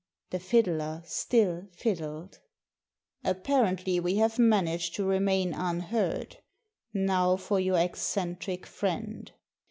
The fiddler still fiddled. "Apparently we have managed to remain unheard. Now for your eccentric friend."